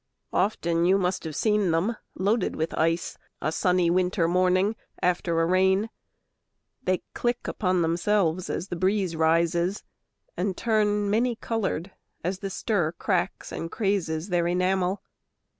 Often you must have seen them Loaded with ice a sunny winter morning After a rain. They click upon themselves As the breeze rises, and turn many colored As the stir cracks and crazes their enamel.